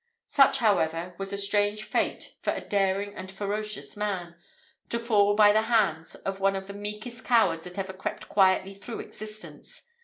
Such, however, was a strange fate for a daring and ferocious man to fall by the hands of one of the meekest cowards that ever crept quietly through existence!